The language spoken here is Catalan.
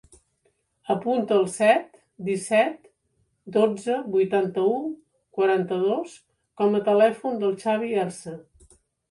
Apunta el set, disset, dotze, vuitanta-u, quaranta-dos com a telèfon del Xavi Herce.